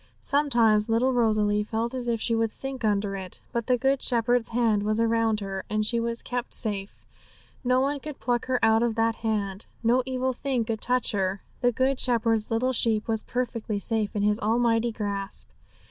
Sometimes little Rosalie felt as if she would sink under it; but the Good Shepherd's hand was around her, and she was kept safe; no one could pluck her out of that hand. No evil thing could touch her; the Good Shepherd's little sheep was perfectly safe in His almighty grasp.